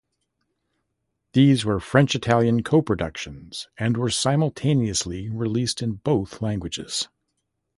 These were French-Italian coproductions and were simultaneously released in both languages.